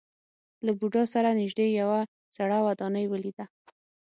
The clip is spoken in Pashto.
له بودا سره نژدې یوه زړه ودانۍ ولیده.